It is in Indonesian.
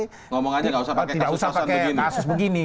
ngomong saja tidak usah pakai kasus kasus begini